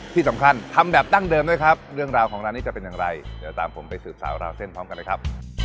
ที่สำคัญทำแบบดั้งเดิมด้วยครับเรื่องราวของร้านนี้จะเป็นอย่างไรเดี๋ยวตามผมไปสืบสาวราวเส้นพร้อมกันเลยครับ